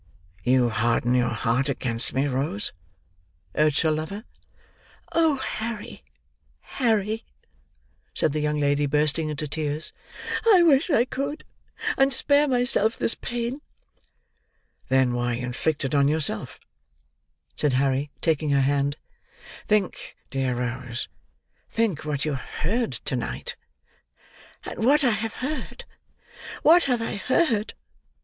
"You harden your heart against me, Rose," urged her lover. "Oh Harry, Harry," said the young lady, bursting into tears; "I wish I could, and spare myself this pain." "Then why inflict it on yourself?" said Harry, taking her hand. "Think, dear Rose, think what you have heard to night." "And what have I heard! What have I heard!"